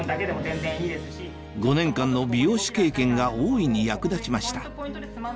５年間の美容師経験が大いに役立ちました